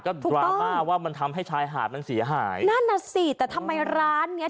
ก็ดราม่าว่ามันทำให้ชายหาดมันเสียหายนั่นน่ะสิแต่ทำไมร้านเนี้ย